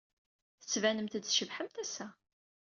Tettbanemt-d tcebḥemt ass-a.